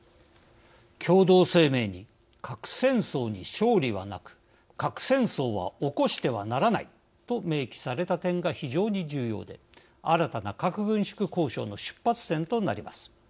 共同声明に「核戦争に勝利はなく核戦争は起こしてはならない」と明記された点が非常に重要で新たな核軍縮交渉の出発点となります。